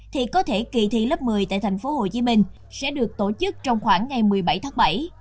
thì có thể kỳ thi lớp một mươi tại tp hcm sẽ được tổ chức trong khoảng ngày một mươi bảy tháng bảy